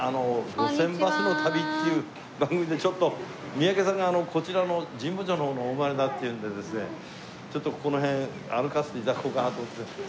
『路線バスの旅』っていう番組で三宅さんがこちらの神保町の方のお生まれだっていうんでですねちょっとこの辺歩かせて頂こうかなと思って。